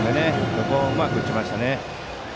そこをうまく打ちました。